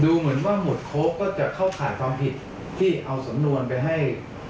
เหมือนว่าหมวดโค้กก็จะเข้าข่ายความผิดที่เอาสำนวนไปให้